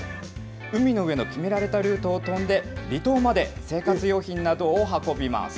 海の上の決められたルートを飛んで、離島まで生活用品などを運びます。